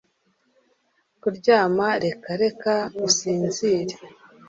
Kuryama reka reka usinzire